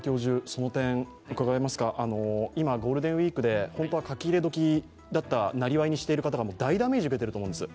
今はゴールデンウイークで書き入れ時だった、なりわいにしている方が大ダメージを受けてると思います。